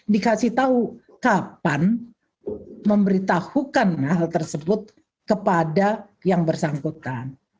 dikasih tahu kapan memberitahukan hal tersebut kepada yang bersangkutan